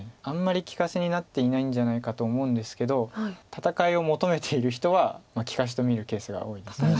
あんまり利かしになっていないんじゃないかと思うんですけど戦いを求めている人は利かしと見るケースが多いです。